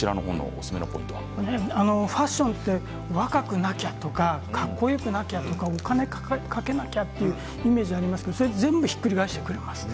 ファッションって若くなきゃ、かっこよくなきゃお金をかけなきゃっていうイメージがありますけれど全部ひっくり返してくれます。